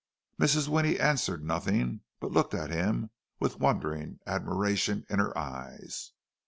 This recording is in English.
Mrs. Winnie answered nothing, but looked at him with wondering admiration in her eyes.